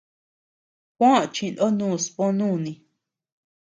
Juó chindonus bö nuni.